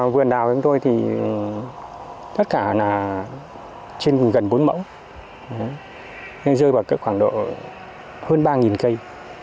vườn đào của chúng tôi thì tất cả là trên gần bốn mẫu rơi vào khoảng độ hơn ba cây